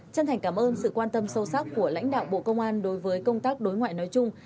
chân thành cảm ơn sự quan tâm sâu sắc của lãnh đạo bộ công an đối với công tác đối ngoại nói chung